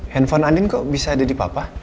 handphone andin kok bisa ada di papa